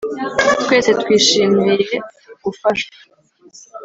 Twese twishimiye gufasha